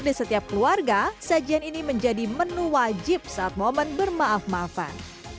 di setiap keluarga sajian ini menjadi menu wajib saat momen bermaaf maafan